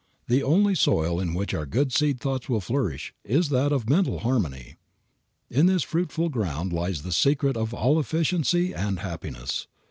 The only soil in which our good seed thoughts will flourish is that of mental harmony. In this fruitful ground lies the secret of all efficiency and happiness.